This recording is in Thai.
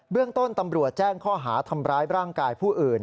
เรื่องต้นตำรวจแจ้งข้อหาทำร้ายร่างกายผู้อื่น